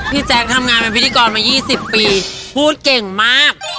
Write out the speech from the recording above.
แจ๊คทำงานเป็นพิธีกรมา๒๐ปีพูดเก่งมาก